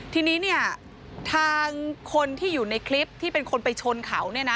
ทีนี้ทางคนที่อยู่ในคลิปที่เป็นคนไปชนเขา